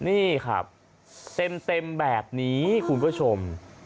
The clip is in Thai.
นี่ครับเต็มแบบนี้คุณผู้ชม